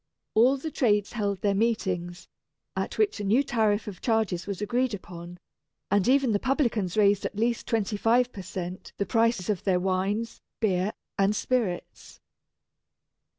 All the trades held their meetings, at which a new tariff of charges was agreed upon; and even the publicans raised at least twenty five per cent. the prices of their wines, beer, and spirits.